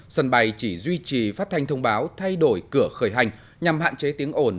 sân bay chỉ duy trì phát thanh thông báo thay đổi cửa khởi hành nhằm hạn chế tiếng ồn